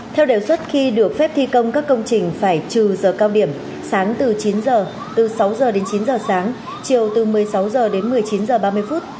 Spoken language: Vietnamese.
theo đề xuất khi được phép thi công các công trình phải trừ giờ cao điểm sáng từ chín giờ từ sáu h đến chín giờ sáng chiều từ một mươi sáu h đến một mươi chín h ba mươi phút